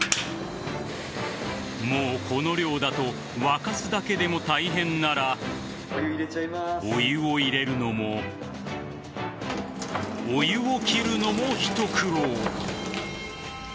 もう、この量だと沸かすだけでも大変ならお湯を入れるのもお湯を切るのも一苦労。